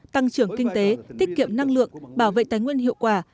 tăng trưởng kinh tế tiết kiệm năng lượng bảo vệ tài nguyên hiệu quả